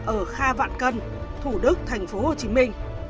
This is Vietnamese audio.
ở kha vạn cân thủ đức thành phố hồ chí minh